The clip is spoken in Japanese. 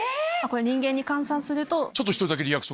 これ人間に換算すると。